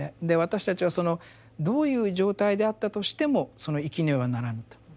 で私たちはそのどういう状態であったとしてもその生きねばならぬと。